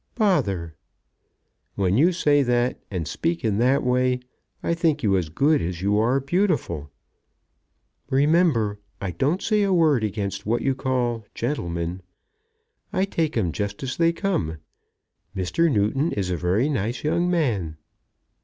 "Bother!" "When you say that, and speak in that way, I think you as good as you are beautiful." "Remember, I don't say a word against what you call gentlemen. I take 'em just as they come. Mr. Newton is a very nice young man."